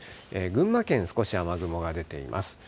群馬県、少し雨雲が出ています。